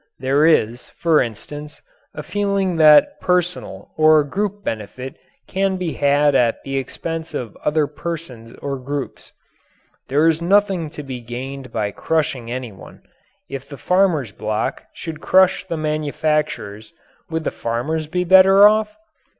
There is, for instance, a feeling that personal or group benefit can be had at the expense of other persons or groups. There is nothing to be gained by crushing any one. If the farmer's bloc should crush the manufacturers would the farmers be better off?